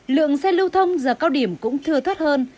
lượng xe lưu thông giờ cao điểm cũng thừa thoát hơn